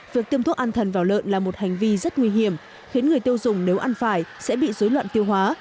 việc tiêm thuốc an thần vào lợn là một hành vi rất nguy hiểm khiến người tiêu dùng nếu ăn phải sẽ bị dối loạn tiêu hóa